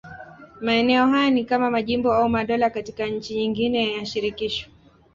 Maeneo haya ni kama majimbo au madola katika nchi nyingine ya shirikisho.